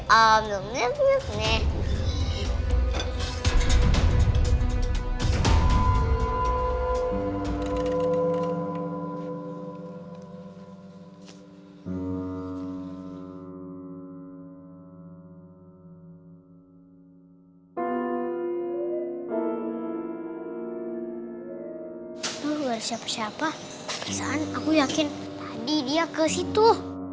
lalu siapa siapa perasaan aku yakin tadi dia ke situ